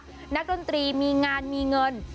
วงการเพลงกลับมาคึกคักนักดนตรีมีงานมีเงิน